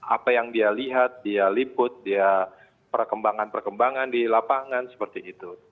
apa yang dia lihat dia liput dia perkembangan perkembangan di lapangan seperti itu